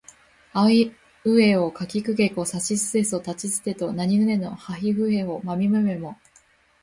あいうえおかきくけこさしすせそたちつてとなにぬねのはひふへほまみむめも